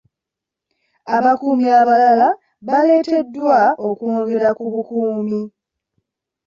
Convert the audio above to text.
Abakuumi abalala baaleeteddwa okwongera ku bukuumi.